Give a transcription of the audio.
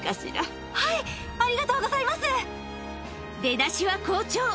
出だしは好調！